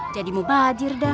jadi mubazir dah